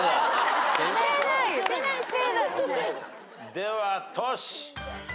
ではトシ。